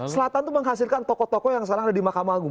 selatan itu menghasilkan tokoh tokoh yang sekarang ada di mahkamah agung